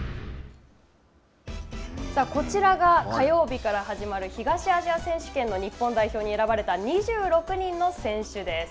こちらが火曜日から始まる東アジア選手権の日本代表に選ばれた２６人の選手です。